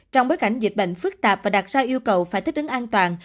trong bối cảnh dịch bệnh phức tạp và đặt ra yêu cầu phải thích ứng an toàn